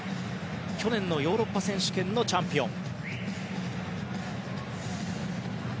去年のヨーロッパ選手権のチャンピオン。